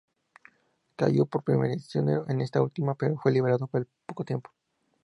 Cayó prisionero en esta última, pero fue liberado al poco tiempo.